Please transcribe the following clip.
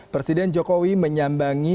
presiden jokowi menyambangi